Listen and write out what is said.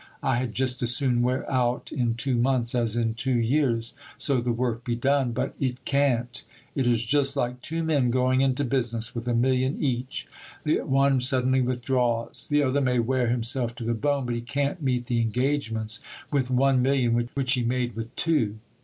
I had just as soon wear out in two months as in two years, so the work be done. But it can't. It is just like two men going into business with a million each. The one suddenly withdraws. The other may wear himself to the bone, but he can't meet the engagements with one million which he made with two.